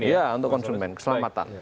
iya untuk konsumen keselamatan